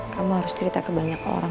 kamu harus cerita ke banyak orang